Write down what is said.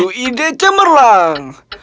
itu ide cemerlang